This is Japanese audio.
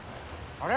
あれ？